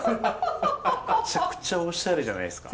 むちゃくちゃおしゃれじゃないですか！